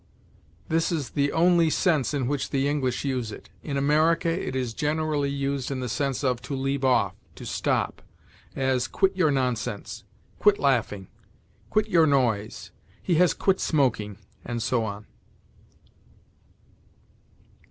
This is the only sense in which the English use it. In America, it is generally used in the sense of to leave off, to stop; as, "Quit your nonsense"; "Quit laughing"; "Quit your noise"; "He has quit smoking," and so on.